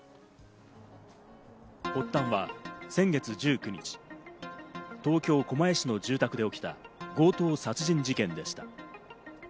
発端は先月１９日、東京・狛江市の住宅で起きた、強盗殺人事件でした。